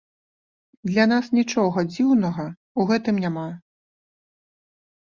Для нас нічога дзіўнага ў гэтым няма.